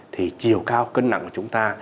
thì chiều cao cân nặng của chúng ta